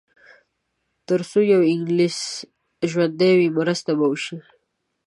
تر څو یو انګلیس ژوندی وي مرسته به وشي.